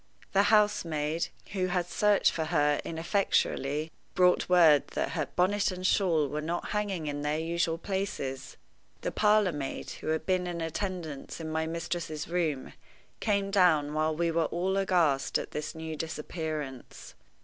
The housemaid, who had searched for her ineffectually, brought word that her bonnet and shawl were not hanging in their usual places. The parlor maid, who had been in attendance in my mistress's room, came down while we were all aghast at this new disappearance.